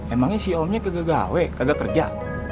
emangnya si omnya kagak gawe kagak kerja